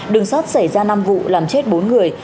đường sắt xảy ra năm vụ làm chết bốn người